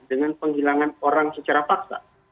dengan penghilangan orang secara paksa